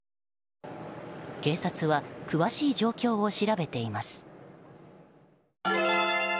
警察は詳しい状況を調べています。